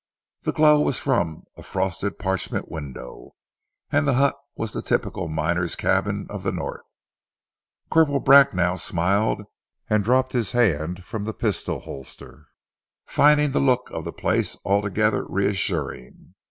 The glow was from a frosted parchment window, and the hut was the typical miner's cabin of the North. Corporal Bracknell smiled and dropped his hand from the pistol holster, finding the look of the place altogether reassuring.